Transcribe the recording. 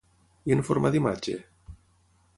I en forma d'imatge?